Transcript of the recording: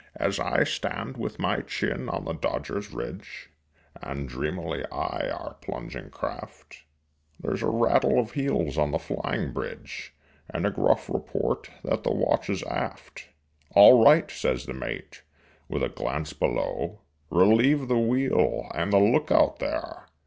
As I stand with my chin on the dodger's ridge And dreamily eye our plunging craft There's a rattle of heels on the flying bridge And a gruff report that the watch is aft. "All right!" says the mate, with a glance below; "Relieve the wheel and the lookout there!"